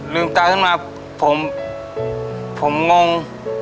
ลืมตาขึ้นมาผมผมงง